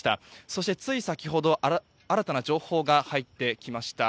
そしてつい先ほど新たな情報が入ってきました。